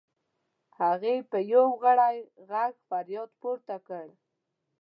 هغې په یو غری غږ فریاد پورته کړ.